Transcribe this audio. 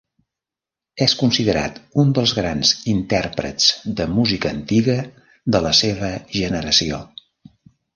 És considerat un dels grans intèrprets de música antiga de la seva generació.